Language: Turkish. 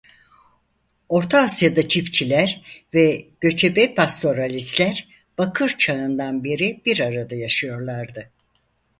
Orta Asya'da çiftçiler ve göçebe pastoralistler Bakır Çağı'ndan beri bir arada yaşıyorlardı.